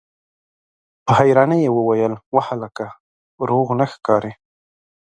په حيرانۍ يې وويل: وه هلکه! روغ نه ښکارې!